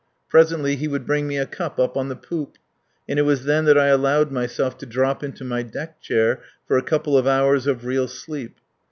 Presently he would bring me a cup up on the poop, and it was then that I allowed myself to drop into my deck chair for a couple of hours of real sleep.